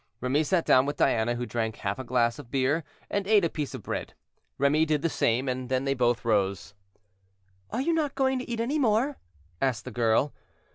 Remy sat down with Diana, who drank half a glass of beer, and ate a piece of bread. Remy did the same, and then they both rose. "Are you not going to eat any more?" asked the girl.